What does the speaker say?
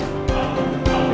saya mau berpikir